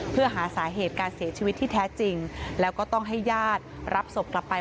เพื่อหาสาเหตุการเสียชีวิตที่แท้จริงแล้วก็ต้องให้ญาติรับศพกลับไป